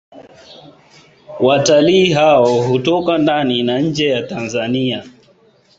Wataii hao hutoka ndani na nje ya Tanzania